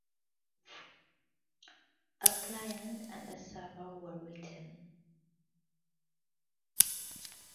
A client and a server were written.